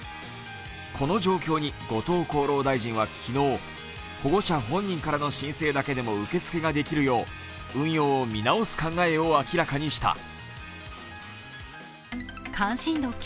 この状況に後藤厚労大臣は昨日、保護者本人からの申請だけでも受け付けができるよう運用を見直す考えを明らかにした。